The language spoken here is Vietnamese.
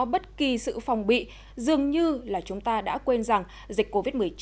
bất kỳ sự phòng bị dường như là chúng ta đã quên rằng dịch covid một mươi chín